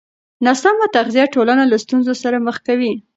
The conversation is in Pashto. ناسمه تغذیه ټولنه له ستونزو سره مخ کوي.